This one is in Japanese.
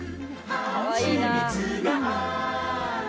かわいいなあ。